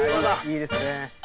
いいですね。